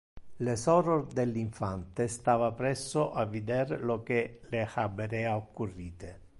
Le soror del infante stava presso a vider lo que le haberea occurrite.